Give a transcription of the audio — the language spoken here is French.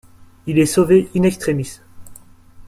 Il est sauvé in-extremis.